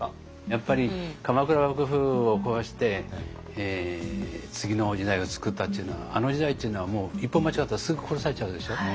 やっぱり鎌倉幕府を壊して次の時代を作ったっていうのはあの時代っていうのは一歩間違ったらすぐ殺されちゃうでしょ？